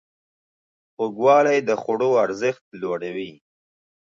خوږوالی د خوړو ارزښت لوړوي.